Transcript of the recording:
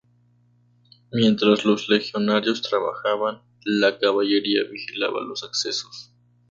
Mientras los legionarios trabajaban, la caballería vigilaba los accesos.